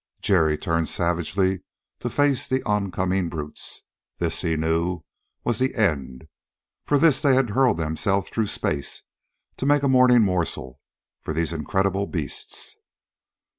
Jerry turned savagely to face the oncoming brutes. This, he knew, was the end. For this they had hurled themselves through space to make a morning morsel for these incredible beasts.